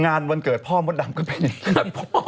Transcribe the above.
งานวันเกิดพ่อมดดำก็เป็นแค่พ่อ